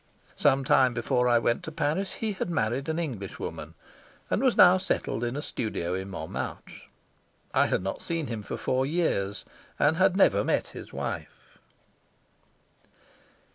Some time before I went to Paris he had married an Englishwoman, and was now settled in a studio in Montmartre. I had not seen him for four years, and had never met his wife.